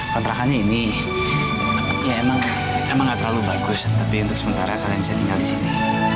kontrakannya ini ya emang gak terlalu bagus tapi untuk sementara kalian bisa tinggal di sini